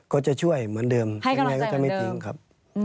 ก็จะช่วยเหมือนเดิมยังไงก็จะไม่ทิ้งครับ